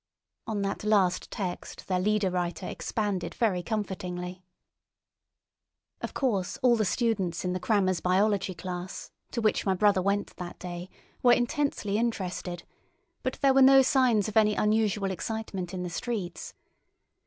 On that last text their leader writer expanded very comfortingly. Of course all the students in the crammer's biology class, to which my brother went that day, were intensely interested, but there were no signs of any unusual excitement in the streets.